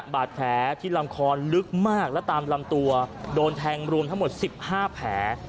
บาดแผลที่ลำคอลึกมากและตามลำตัวโดนแทงรวมทั้งหมด๑๕แผล